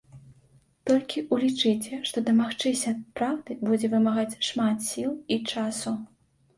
Толькі ўлічыце, што дамагчыся праўды будзе вымагаць шмат сіл і часу.